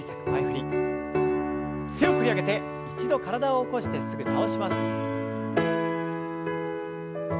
強く振り上げて一度体を起こしてすぐ倒します。